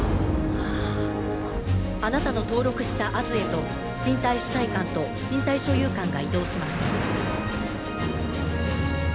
あなたの登録したＡｓへと身体主体感と身体所有感が移動します。